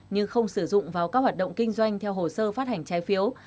nhưng không sử dụng vào các hoạt động kinh doanh theo hồ sơ phát hành trái phiếu